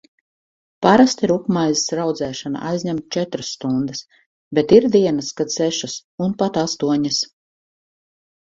Parasti rupjmaizes raudzēšana aizņem četras stundas, bet ir dienas, kad sešas un pat astoņas.